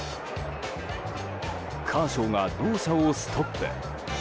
カーショーが動作をストップ。